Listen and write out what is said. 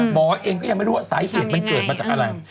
หมอเองก็ยังไม่รู้ว่าสาเหตุมันเกิดมาจากอะไร